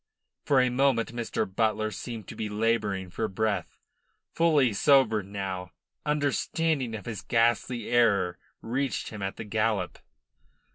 For a moment Mr. Butler seemed to be labouring for breath. Fully sobered now, understanding of his ghastly error reached him at the gallop.